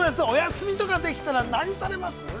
お休みとかできたら何されます？